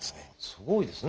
すごいですね。